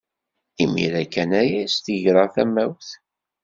Imir-a kan ay as-d-greɣ tamawt.